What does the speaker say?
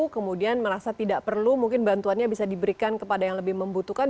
kemudian merasa tidak perlu mungkin bantuannya bisa diberikan kepada yang lebih membutuhkan